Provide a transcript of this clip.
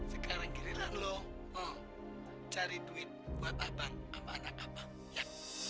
sekarang kirilah lo cari duit buat abang sama anak abang ya